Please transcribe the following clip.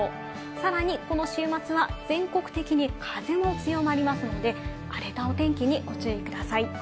さらにこの週末は全国的に風も強まりますので、荒れたお天気にご注意ください。